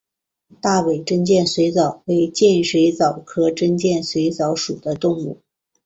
大尾真剑水蚤为剑水蚤科真剑水蚤属的动物。